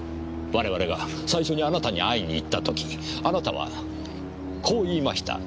我々が最初にあなたに会いに行った時あなたはこう言いました。